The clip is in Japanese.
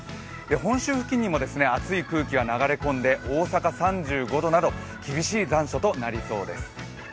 本州付近にも熱い空気が流れ込んで大阪３５度など厳しい残暑となりそうです。